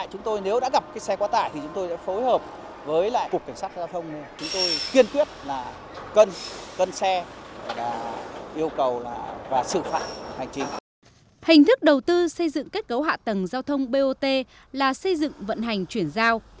hình thức đầu tư xây dựng kết cấu hạ tầng giao thông bot là xây dựng vận hành chuyển giao